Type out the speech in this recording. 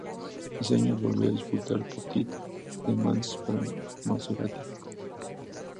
Ese año volvió a disputar Petit Le Mans para Maserati.